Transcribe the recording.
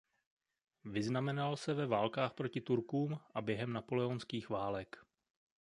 Vyznamenal se ve válkách proti turkům a během napoleonských válek.